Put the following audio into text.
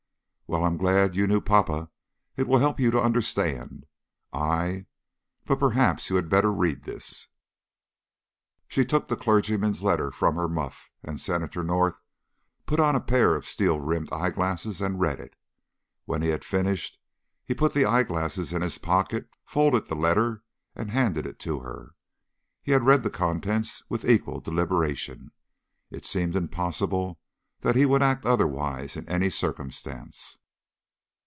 "Well, I'm glad you knew papa; it will help you to understand. I But perhaps you had better read this." She took the clergyman's letter from her muff, and Senator North put on a pair of steel rimmed eyeglasses and read it. When he had finished he put the eyeglasses in his pocket, folded the letter, and handed it to her. He had read the contents with equal deliberation. It seemed impossible that he would act otherwise in any circumstance.